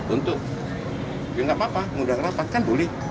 untuk ya gak apa apa mudah rapat kan boleh